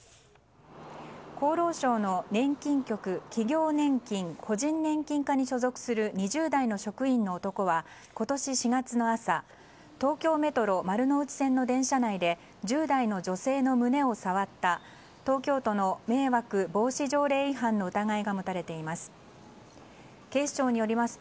厚労省の年金局企業年金・個人年金課に所属する２０代の職員の男は今年４月の朝東京メトロ丸ノ内線の電車内で１０代の女性の胸を触った東京都の迷惑防止条例違反の疑いが持たれています。